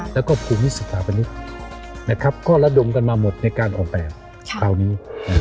แล้วก็ภูมิสถาปนิกก็ระดมกันมาหมดในการออกแบบคราวนี้